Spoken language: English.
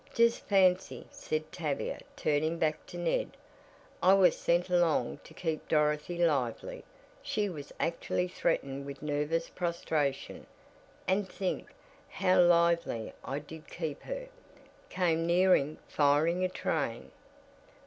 "Just fancy," said Tavia turning back to Ned, "I was sent along to keep Dorothy lively, she was actually threatened with nervous prostration, and think, how lively I did keep her? Came nearing firing a train."